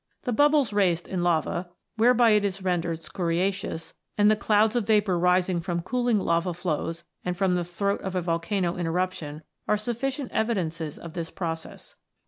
The bubbles raised in lava, whereby it is rendered scoriaceous, and the clouds of vapour rising from cooling lava flows and from the throat of a volcano in eruption, are sufficient evidences of this process.